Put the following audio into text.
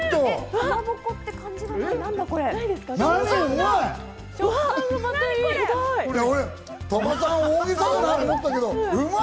かまぼこって感じがない！